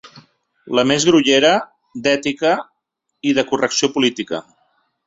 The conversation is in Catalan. La més grollera, d’ètica i de correcció política.